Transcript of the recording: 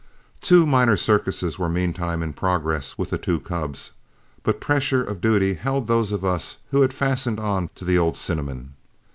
Two minor circuses were meantime in progress with the two cubs, but pressure of duty held those of us who had fastened on to the old cinnamon.